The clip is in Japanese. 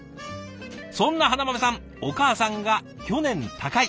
そんなはなまめさんお母さんが去年他界。